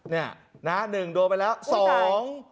เนี่ยนะฮะหนึ่งโดนไปแล้วสอง